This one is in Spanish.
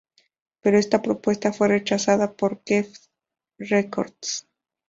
Pero esta propuesta fue rechazada por Geffen Records.